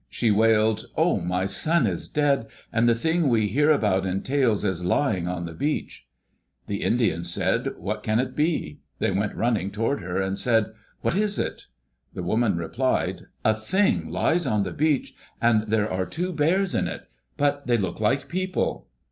She wailed, " Oh, my son is dead, and the Thing we hear about in tales is lying on the beach 1" The Indians said, "What can it be?*' They went run ning toward her, and said, "What is it?" The woman replied, "A Thing lies on the beach. And there are two bears in it; but they look like people."